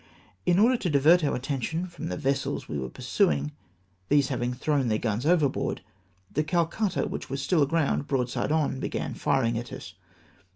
In order to divert our attention from the vessels we were pursuing, these having thrown their guns over board, the Calcutta, which was still aground, broadside on, began firing at us.